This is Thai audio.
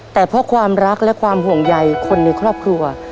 แต่เพราะความรักและความห่วงใยคนในครอบครัว